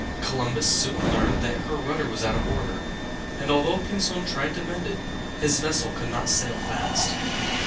Columbus soon learned that her rudder was out of order; and although Pinzon tried to mend it, his vessel could not sail fast.